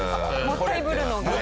もったいぶるのが。